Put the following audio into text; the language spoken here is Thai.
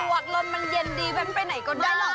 มันสนุกมันเย็นดีแป๊บไปไหนก็ได้หรอก